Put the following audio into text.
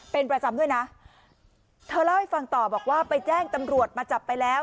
เป็นประจำด้วยนะเธอเล่าให้ฟังต่อบอกว่าไปแจ้งตำรวจมาจับไปแล้ว